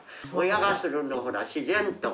親がするのほら自然と。